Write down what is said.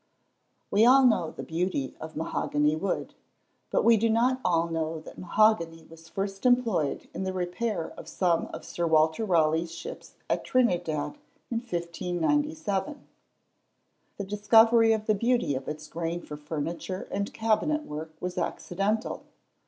We all know the beauty of mahogany wood. But we do not all know that mahogany was first employed in the repair of some of Sir Walter Raleigh's ships at Trinidad in 1597. The discovery of the beauty of its grain for furniture and cabinet work was accidental.